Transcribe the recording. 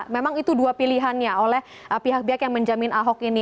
memang itu dua pilihannya oleh pihak pihak yang menjamin ahok ini